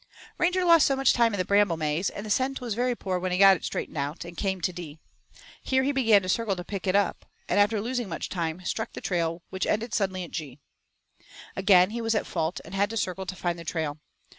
Ranger lost much time in the bramble maze, and the scent was very poor when he got it straightened out, and came to D. Here he began to circle to pick it up, and after losing much time, struck the trail which ended suddenly at G. Again he was at fault, and had to circle to find the trail.